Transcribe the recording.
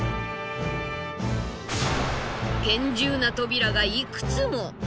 厳重な扉がいくつも。